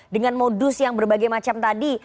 dengan modus yang berbagai macam tadi